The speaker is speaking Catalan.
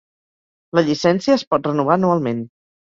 La llicència es pot renovar anualment.